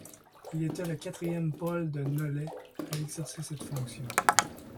Il était le quatrième Paul de Nollet à exercer cette fonction.